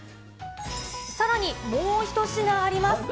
さらにもう１品あります。